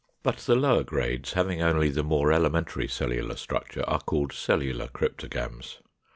But the lower grades, having only the more elementary cellular structure, are called Cellular Cryptogams.